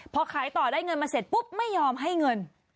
พอขายต่อได้เงินมาเสร็จปุ๊บไม่ยอมให้เงิน